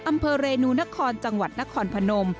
อำเภอเรนูนครจังหวัดนครพนม